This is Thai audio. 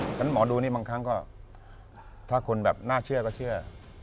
ฉะนั้นหมอดูนี่บางครั้งก็ถ้าคนแบบน่าเชื่อก็เชื่อ